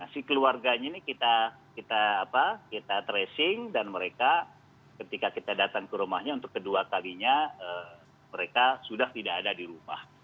si keluarganya ini kita tracing dan mereka ketika kita datang ke rumahnya untuk kedua kalinya mereka sudah tidak ada di rumah